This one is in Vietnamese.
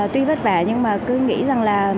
tuy vất vả nhưng mà cứ nghĩ rằng là